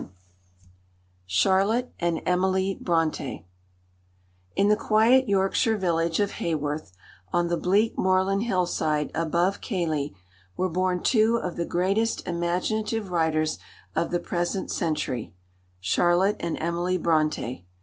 XI CHARLOTTE AND EMILY BRONTË IN the quiet Yorkshire village of Haworth, on the bleak moorland hillside above Keighley, were born two of the greatest imaginative writers of the present century, Charlotte and Emily Brontë.